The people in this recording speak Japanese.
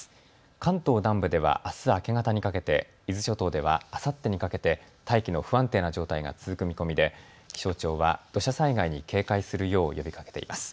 関東南部ではあす明け方にかけて、伊豆諸島ではあさってにかけて大気の不安定な状態が続く見込みで気象庁は土砂災害に警戒するよう呼びかけています。